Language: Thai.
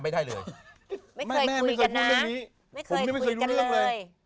แท้ง๓คน